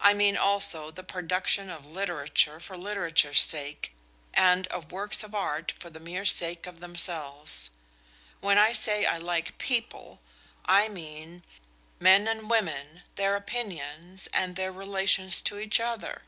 I mean also the production of literature for literature's sake, and of works of art for the mere sake of themselves. When I say I like 'people,' I mean men and women, their opinions and their relations to each other."